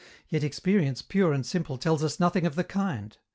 Yet experience pure and simple tells us nothing of the kind.